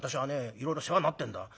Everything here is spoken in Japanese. いろいろ世話になってんだ。